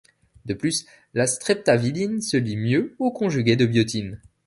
De plus, la streptavidine se lie mieux aux conjugués de biotine.